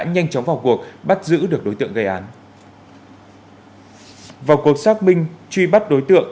nhanh chóng vào cuộc bắt giữ được đối tượng gây án vào cuộc xác minh truy bắt đối tượng